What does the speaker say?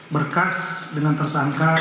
berkas dengan tersangka